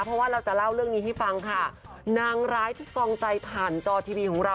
เพราะว่าเราจะเล่าเรื่องนี้ให้ฟังค่ะนางร้ายที่กองใจผ่านจอทีวีของเรา